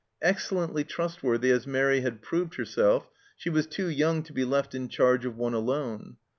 Excellently trustworthy as Mairi had proved herself, she was too young to be left in charge of one alone.